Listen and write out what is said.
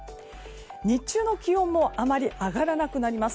日中の気温もあまり上がらなくなります。